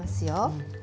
うん。